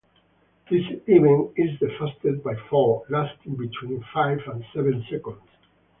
This event is the fastest by far, lasting between five and seven seconds.